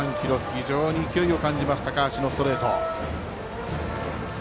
非常に勢いを感じます高橋のストレート。